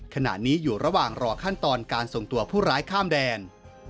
ขณะนี้อยู่ระหว่างรอขั้นตอนการส่งตัวผู้ร้ายข้ามแดน